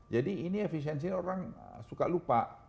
ini efisiensinya orang suka lupa